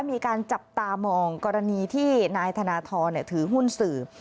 มีการจับตามองกรณีที่นายธนทรถือหุ้นสื่อ